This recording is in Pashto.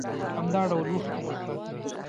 همدا ډول اوښکې روح پاکوي.